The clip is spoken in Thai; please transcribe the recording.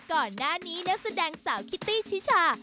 ก่อนหน้านี้นักแสดงสาวคิตตี้ชิชา